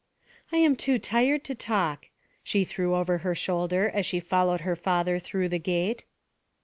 'I am too tired to talk,' she threw over her shoulder as she followed her father through the gate.